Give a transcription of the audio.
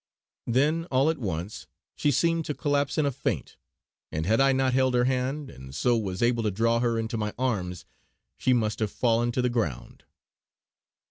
Then, all at once, she seemed to collapse in a faint; and had I not held her hand, and so was able to draw her into my arms, she must have fallen to the ground.